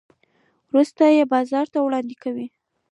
وروسته یې بازار ته وړاندې کوي.